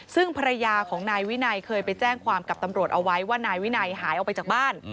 ซึ่งภรรยาของนายวินัยเคยไปแจ้งความกับตำรวจเอาไว้ว่านายวินัยหายออกไปจากบ้าน